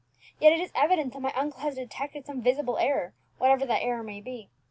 Yet it is evident that my uncle has detected some visible error, whatever that error may be.